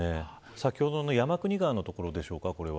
先ほどの山国川の所でしょうか。